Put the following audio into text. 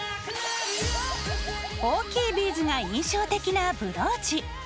大きいビーズが印象的なブローチ。